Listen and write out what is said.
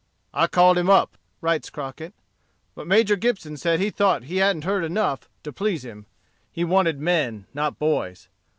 "I called him up," writes Crockett, "but Major Gibson said he thought he hadn't beard enough to please him; he wanted men, not boys.